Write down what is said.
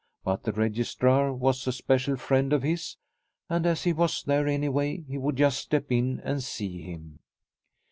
But the registrar was a special friend of his, and as he was there any way, he would just step in and see him.